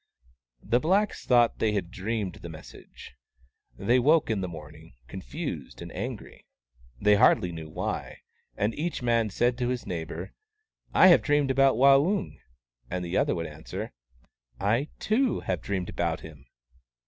The blacks thought they had dreamed the mes sage. They woke in the morning, confused and angry, they hardly knew why ; and each man said to his neighbour, " I have dreamed about Waung," and the other would answer, " I, too, have dreamed about him."